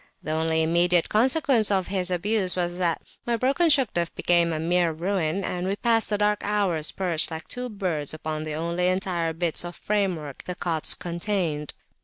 The only immediate consequence of his abuse was that my broken Shugduf became a mere ruin, and we passed the dark hours perched like two birds upon the only entire bits of framework the cots contained.